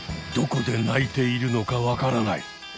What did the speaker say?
どこで鳴いているのかわからない。